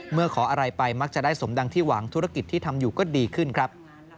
ขออะไรไปมักจะได้สมดังที่หวังธุรกิจที่ทำอยู่ก็ดีขึ้นครับ